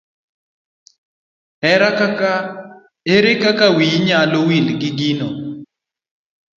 Here kaka wiyi nyalo wil gi gino.